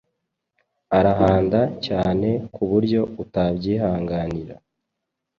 arahanda cyane kuburyo utabyihanganira